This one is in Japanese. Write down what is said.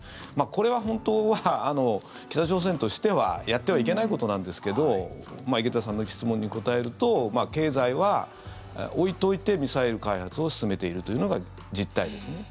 これは本当は北朝鮮としてはやってはいけないことなんですが井桁さんの質問に答えると経済は置いておいてミサイル開発を進めているというのが実態ですね。